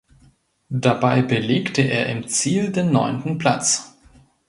Dabei belegte er im Ziel den neunten Platz.